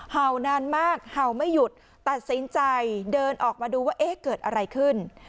เห่านานมากเห่าไม่หยุดตัดสินใจเดินออกมาดูว่าเอ๊ะเกิดอะไรขึ้น